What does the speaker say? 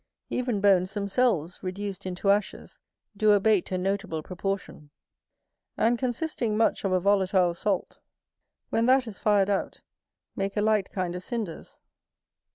Even bones themselves, reduced into ashes, do abate a notable proportion. And consisting much of a volatile salt, when that is fired out, make a light kind of cinders.